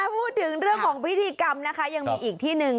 พูดถึงเรื่องของพิธีกรรมนะคะยังมีอีกที่หนึ่ง